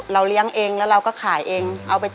เลี้ยงเองแล้วเราก็ขายเอง